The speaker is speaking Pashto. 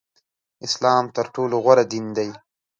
اسلام تر ټولو غوره دین دی